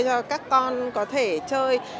cho các con có thể chơi